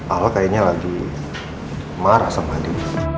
al kayaknya lagi marah sama andi